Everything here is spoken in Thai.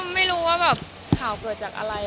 ไม่รู้ว่าแบบข่าวเกิดจากอะไร